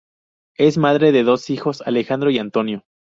Es madre de dos hijos, Alejandro y Antonio.